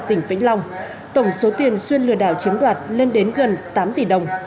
tỉnh vĩnh long tổng số tiền xuyên lừa đảo chiếm đoạt lên đến gần tám tỷ đồng